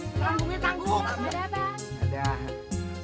tanggung ya tanggung